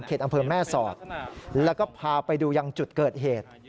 อำเภอแม่สอดแล้วก็พาไปดูยังจุดเกิดเหตุ